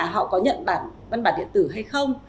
họ có nhận văn bản điện tử hay không